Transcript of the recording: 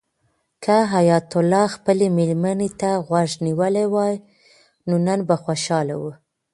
که حیات الله خپلې مېرمنې ته غوږ نیولی وای نو نن به خوشحاله و.